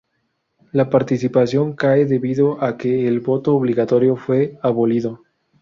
La participación cae debido a que el voto obligatorio fue abolido.